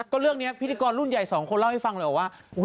ก็เรื่องนี้พิธีกรรุ่นใหญ่สองคนเล่าให้ฟังเลยว่า